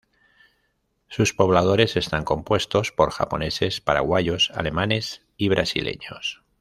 Sus pobladores están compuestos por japoneses, paraguayos, alemanes y brasileños.